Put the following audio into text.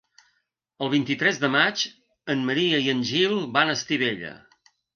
El vint-i-tres de maig en Maria i en Gil van a Estivella.